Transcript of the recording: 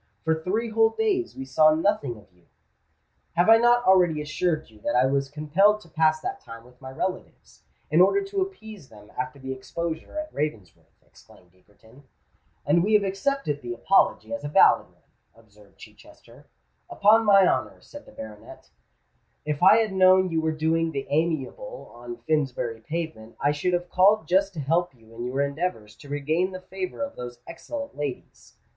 "For three whole days we saw nothing of you——" "Have I not already assured you that I was compelled to pass that time with my relatives, in order to appease them after the exposure at Ravensworth?" exclaimed Egerton. "And we have accepted the apology as a valid one," observed Chichester. "Upon my honour," said the baronet, "if I had known you were doing the amiable on Finsbury Pavement, I should have called just to help you in your endeavours to regain the favour of those excellent ladies."